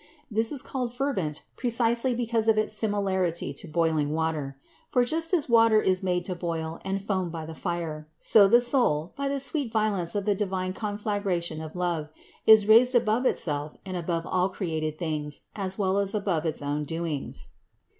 This is called fervent pre cisely because of its similarity to boiling water. For just as water is made to boil and foam by the fire, so the soul, by the sweet violence of the divine conflagra tion of love, is raised above itself and above all created things as well as above its own doings.